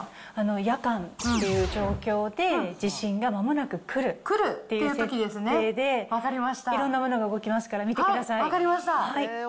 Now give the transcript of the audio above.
夜間っていう状況で、地震がまもなく来るっていう設定で、いろんなものが動きますから分かりました。